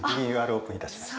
オープンいたしました。